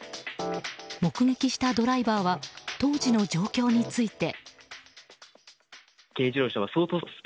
目撃したドライバーは当時の状況について。